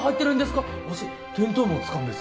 かわし見当もつかんです